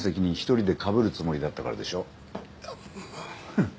フッ。